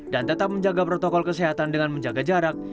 dan tetap menjaga protokol kesehatan dengan menjaga jarak